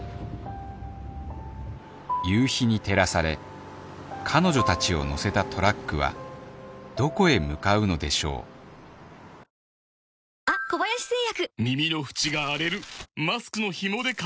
夕日に照らされ彼女たちを乗せたトラックはどこへ向かうのでしょう先輩